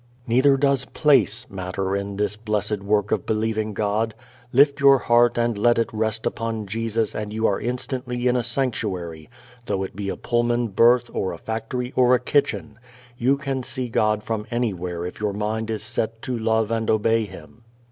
Neither does place matter in this blessed work of believing God. Lift your heart and let it rest upon Jesus and you are instantly in a sanctuary though it be a Pullman berth or a factory or a kitchen. You can see God from anywhere if your mind is set to love and obey Him.